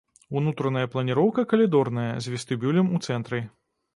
Унутраная планіроўка калідорная, з вестыбюлем у цэнтры.